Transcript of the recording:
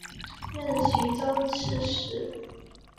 任徐州刺史。